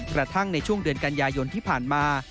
กระทั่งในช่วงเดือนกันยายนที่ผ่านมา